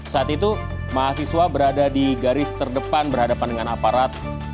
saat itu mahasiswa berada di garis terdepan berhadapan dengan aparat